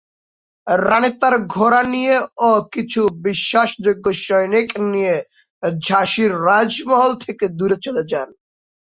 রানী তার ঘোড়া নিয়ে ও কিছু বিশ্বাস যোগ্য সৈনিক নিয়ে ঝাঁসির রাজমহল থেকে দূরে চলে যান।